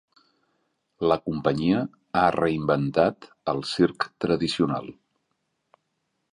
La companyia ha reinventat el circ tradicional.